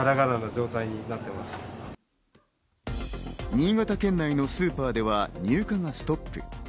新潟県内のスーパーでは入荷がストップ。